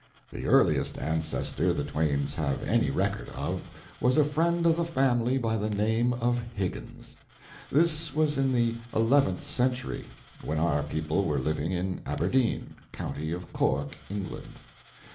The earliest ancestor the Twains have any record of was a friend of the family by the name of Higgins. This was in the eleventh century, when our people were living in Aberdeen, county of Cork, England.